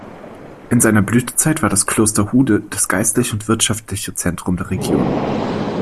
In seiner Blütezeit war das Kloster Hude das geistliche und wirtschaftliche Zentrum der Region.